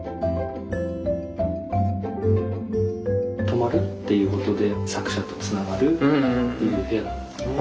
泊まるっていうことで作者とつながるっていう部屋なんですね。